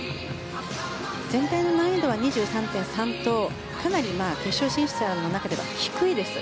全体の難易度は２３．３と決勝進出者の中では低いです。